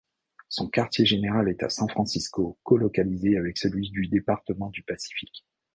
Son quartier-général est à San Francisco, co-localisé avec celui du département du Pacifique.